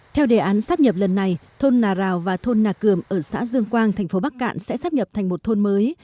theo đề án sắp nhập lần này thôn nà rào và thôn nà cường ở xã dương quang thành phố bắc cạn sẽ sắp nhập thành một thôn mới